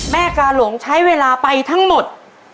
กาหลวงใช้เวลาไปทั้งหมด